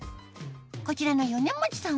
こちらの米持さん